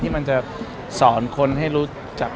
มันจะสอนคนให้รู้จัก